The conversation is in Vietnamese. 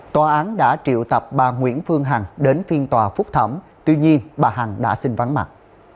tòa án đã triệu tập bà nguyễn phương hằng đến phiên tòa phúc thẩm tuy nhiên bà hằng đã xin vắng mặt